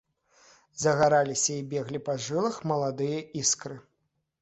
Загараліся і беглі па жылах маладыя іскры.